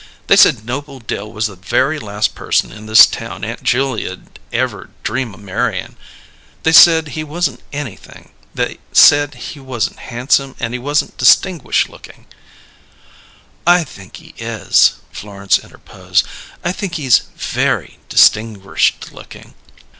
They said Noble Dill was the very last person in this town Aunt Julia'd ever dream o' marryin'. They said he wasn't anything: they said he wasn't handsome and he wasn't distingrished looking " "I think he is," Florence interposed. "I think he's very distingrished looking."